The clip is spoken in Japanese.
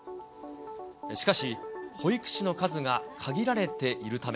しかし、保育士の数が限られているため。